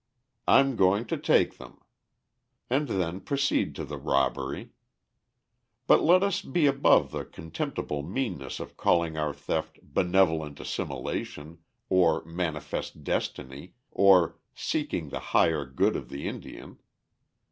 I'm going to take them;" and then proceed to the robbery. But let us be above the contemptible meanness of calling our theft "benevolent assimilation," or "manifest destiny," or "seeking the higher good of the Indian."